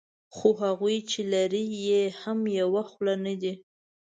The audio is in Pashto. خو هغوی چې لري یې هم یوه خوله نه دي.